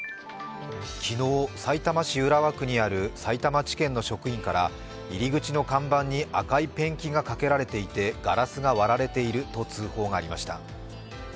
昨日さいたま市浦和区にあるさいたま地検の職位なから入り口の看板に赤いペンキがかけられていてガラスが割られていると通報がありました。